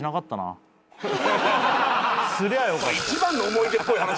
すりゃよかった。